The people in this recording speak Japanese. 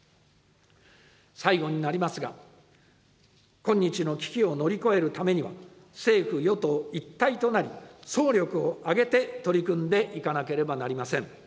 最後になりますが、今日の危機を乗り越えるためには、政府・与党一体となり、総力を挙げて取り組んでいかなければなりません。